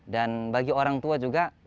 dan bagi orang tua juga